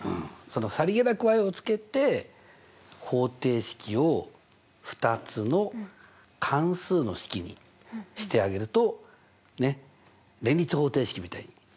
さりげなくをつけて方程式を２つの関数の式にしてあげると連立方程式みたいになるよね。